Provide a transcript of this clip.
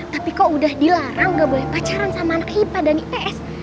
tapi kok udah dilarang gak boleh pacaran sama anak kaya padani ps